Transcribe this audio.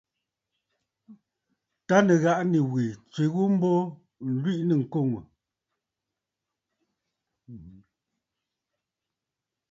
Tâ nɨ̀ghàꞌà nì wè tswe ghu mbo, ǹlwìꞌì nɨ̂ŋkoŋə̀.